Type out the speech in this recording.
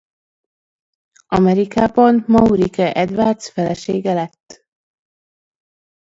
Amerikában Maurice Edwards felesége lett.